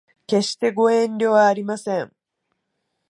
決してご遠慮はありません